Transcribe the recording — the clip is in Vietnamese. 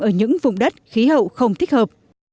ở những vùng đất khí hậu không thích hợp